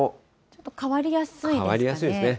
ちょっと変わりやすいですかね。